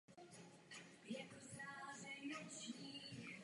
Tato technologie byla zaměřena především na produktivitu práce.